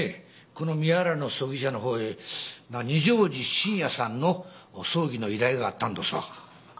この宮原の葬儀社の方へ二条路信也さんの葬儀の依頼があったんどすわ。